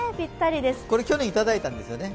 去年いただいたんですよね。